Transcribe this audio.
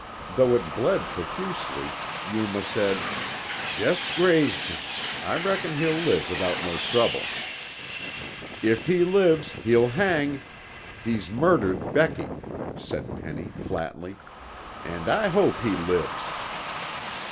Though it bled profusely, Yuma said, "Just grazed him. I reckon he'll live without no trouble." "If he lives, he'll hang! He's murdered Becky," said Penny flatly. "And I hope he lives."